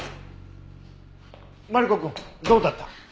マリコくんどうだった？